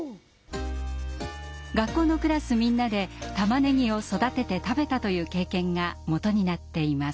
学校のクラスみんなで玉ねぎを育てて食べたという経験がもとになっています。